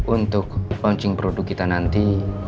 untuk launching produk kita nanti